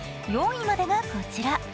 ４位までがこちら。